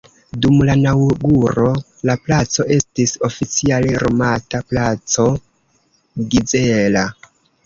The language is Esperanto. Dum la inaŭguro la placo estis oficiale nomata placo Gizella.